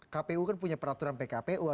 kpu kan punya peraturan pkpu atau pkpud gitu kan